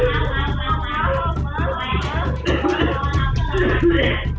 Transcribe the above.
สวัสดีครับวันนี้เราจะกลับมาเมื่อไหร่